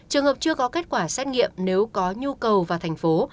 trường hợp chưa có kết quả xét nghiệm nếu có nhu cầu vào thành phố